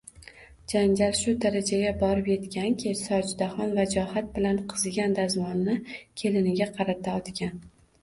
Janjal shu darajaga borib etganki, Sojidaxon vajohat bilan qizigan dazmolni keliniga qarata otgan